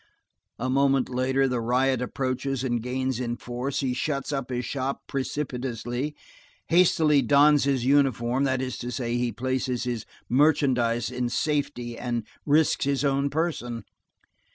A moment later, the riot approaches and gains in force, he shuts up his shop precipitately, hastily dons his uniform, that is to say, he places his merchandise in safety and risks his own person.